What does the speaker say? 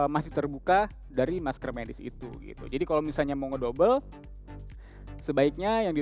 masih terbuka dari masker medis itu gitu jadi kalau misalnya mau double sebaiknya yang di